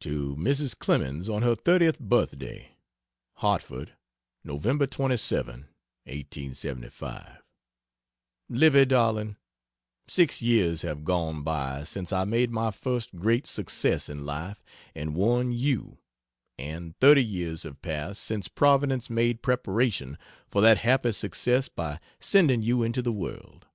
To Mrs. Clemens on her Thirtieth Birthday: HARTFORD, November 27, 1875. Livy darling, six years have gone by since I made my first great success in life and won you, and thirty years have passed since Providence made preparation for that happy success by sending you into the world.